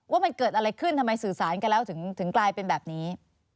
ว่ามันเกิดอะไรขึ้นทำไมสื่อสารกันแล้วถึงกลายเป็นแบบนี้